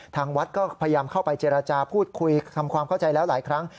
ทางวัดก็พยายามเข้าไปเจรจาพูดคุยทำความเข้าใจแล้วหลายครั้ง